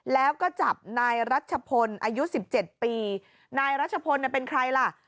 แล้วก็จับนายรัชพลอายุสิบเจ็ดปีนายรัชพลเป็นใครล่ะ